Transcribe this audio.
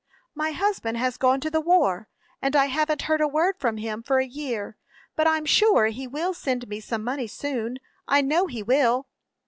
"My husband has gone to the war, and I haven't heard a word from him for a year; but I'm sure he will send me some money soon I know he will."